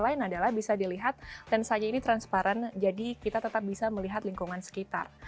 lain adalah bisa dilihat dan saja ini transparan jadi kita tetap bisa melihat lingkungan sekitar